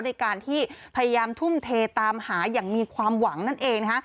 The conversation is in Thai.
ในการที่พยายามทุ่มเทตามหาอย่างมีความหวังนั่นเองนะคะ